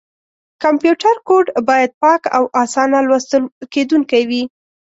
کمپیوټر کوډ باید پاک او اسانه لوستل کېدونکی وي.